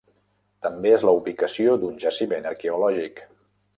També és la ubicació d'un jaciment arqueològic.